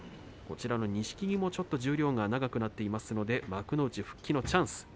錦木もちょっと十両が長くなっていますので幕内復帰のチャンス。